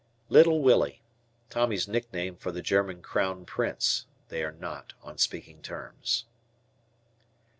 "Little Willie." Tommy's nickname for the German Crown. Prince. They are not on speaking terms.